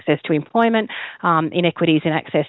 terutama di daerah pedesaan